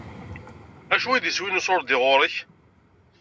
Acu i d iswi n uṣurdi ɣuṛ-k?